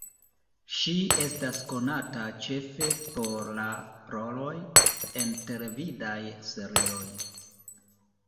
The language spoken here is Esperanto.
Ŝi estas konata ĉefe por la roloj en televidaj serioj.